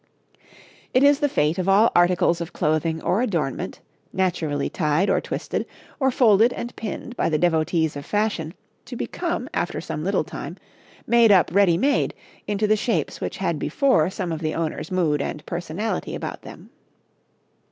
It is the fate of all articles of clothing or adornment, naturally tied or twisted, or folded and pinned by the devotees of fashion, to become, after some little time, made up, ready made, into the shapes which had before some of the owner's mood and personality about them.